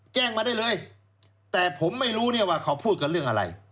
แจ้งมาได้เลยแต่ผมไม่รู้เนี่ยว่าเขาพูดกันเรื่องอะไร